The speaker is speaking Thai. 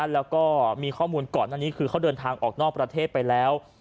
แล้วก็มีข้อมูลก่อนหน้านี้คือเขาเดินทางออกนอกประเทศไปแล้ว